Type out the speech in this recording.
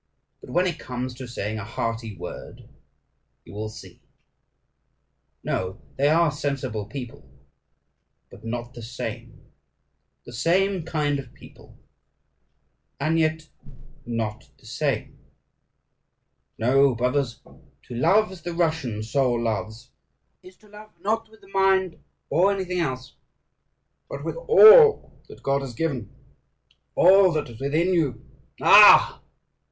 But when it comes to saying a hearty word you will see. No! they are sensible people, but not the same; the same kind of people, and yet not the same! No, brothers, to love as the Russian soul loves, is to love not with the mind or anything else, but with all that God has given, all that is within you. Ah!"